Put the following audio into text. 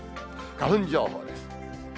花粉情報です。